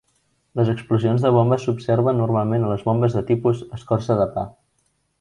Les explosions de bomba s'observen normalment a les bombes de tipus "escorça de pa".